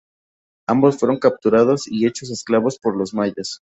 Ambos fueron capturados y hechos esclavos por los mayas.